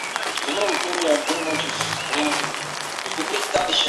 Comentada y anotada, con jurisprudencia y doctrina".